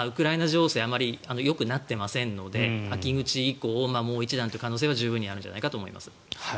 情勢あまりよくなってませんので秋口以降、もう一段という可能性は十分にあるんじゃないかと。